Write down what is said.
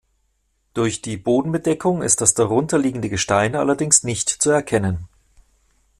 Durch die Bodenbedeckung ist das darunterliegende Gestein allerdings nicht zu erkennen.